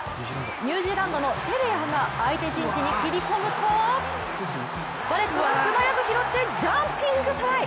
ニュージーランドのテレアが相手陣地に切り込むとバレットが素早く拾ってジャンピングトライ。